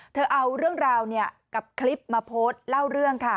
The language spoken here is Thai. เธอเอาเรื่องราวกับคลิปมาโพสต์เล่าเรื่องค่ะ